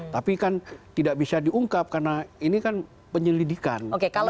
tapi kan tidak bisa diungkap karena ini kan penyelidikan